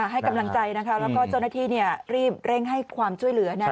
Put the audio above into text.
ให้กำลังใจนะคะแล้วก็เจ้าหน้าที่รีบเร่งให้ความช่วยเหลือ